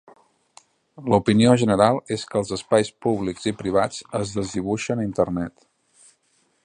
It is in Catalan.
La opinió general és que els espais públics i privats es desdibuixen a Internet.